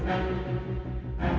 masa yang baik